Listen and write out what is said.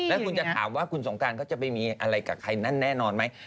แล้วคุณจะถามว่าคุณสงการเขาจะไปมีอะไรกับใครนั่นแน่นอนไหม